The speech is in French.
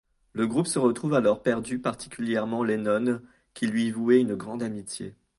Le groupe se retrouve alors perdu, particulièrement Lennon qui lui vouait une grande amitié.